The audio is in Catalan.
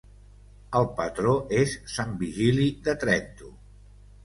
El patró és San Vigili de Trento.